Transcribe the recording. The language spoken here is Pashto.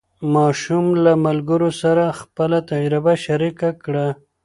ماشوم له ملګرو سره خپله تجربه شریکه کړه